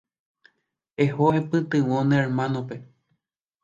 Eho eipytyvõ ne hermanape.